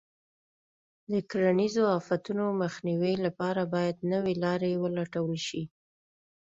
د کرنیزو آفتونو مخنیوي لپاره باید نوې لارې ولټول شي.